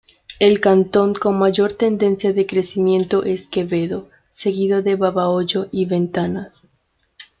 El cantón con mayor tendencia de crecimiento es Quevedo seguido de Babahoyo y Ventanas.